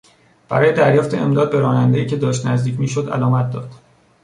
برای دریافت امداد به رانندهای که داشت نزدیک میشد علامت داد.